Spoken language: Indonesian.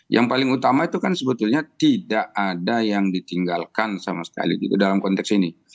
yang paling utama itu kan sebetulnya tidak ada yang ditinggalkan sama sekali gitu dalam konteks ini